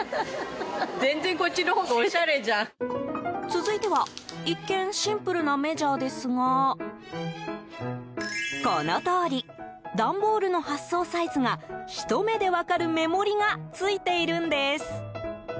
続いては一見シンプルなメジャーですがこのとおり段ボールの発送サイズがひと目で分かる目盛りがついているんです。